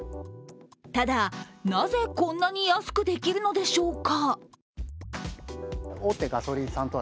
ただ、なぜこんなに安くできるのでしょうか。